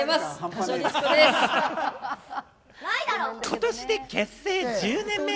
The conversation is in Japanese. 今年で結成１０年目。